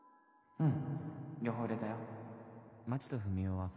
うん。